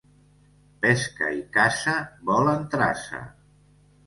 Pesca i caça volen traça.